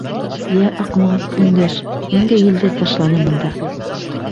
Йә, Аҡмал, өндәш, ниндәй елдәр ташланы бында?